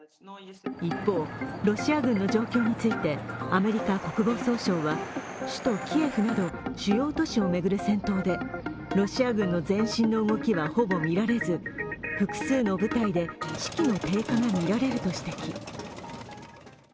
一方、ロシア軍の状況についてアメリカ国防総省は首都キエフなど主要都市を巡る戦闘でロシア軍の前進の動きはほぼ見られず複数の部隊で士気の低下が見られると指摘。